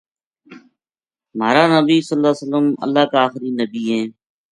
مہارنبی ﷺ اللہ کا آخری نبی ہیں۔